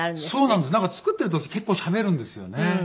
なんか作ってる時結構しゃべるんですよね。